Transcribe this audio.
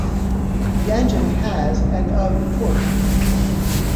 The engine has and of torque.